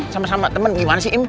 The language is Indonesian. sama sama teman gimana sih im